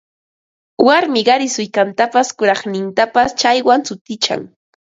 Warmi qari sullkantapas kuraqnintapas chaywan sutichan